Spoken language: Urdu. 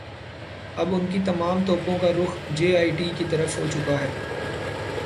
اب ان کی تمام توپوں کا رخ جے آئی ٹی کی طرف ہوچکا ہے۔